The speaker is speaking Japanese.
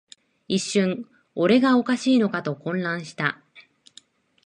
一瞬、俺がおかしいのかと混乱した